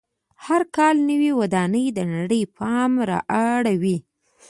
هر کال نوې ودانۍ د نړۍ پام را اړوي.